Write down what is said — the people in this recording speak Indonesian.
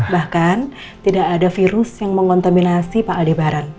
bahkan tidak ada virus yang mengontaminasi pak aldebaran